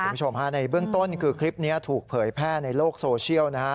คุณผู้ชมฮะในเบื้องต้นคือคลิปนี้ถูกเผยแพร่ในโลกโซเชียลนะฮะ